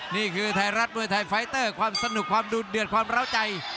นี่คือไทรัสเมืองไทรฟไตเตอร์ความสนุกความดูดเดือดความแล้วใจ